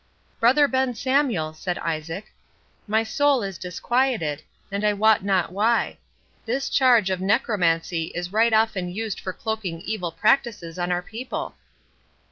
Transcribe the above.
"Brother Ben Samuel," said Isaac, "my soul is disquieted, and I wot not why. This charge of necromancy is right often used for cloaking evil practices on our people."